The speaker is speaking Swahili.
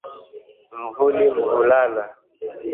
Mvuli Mvulana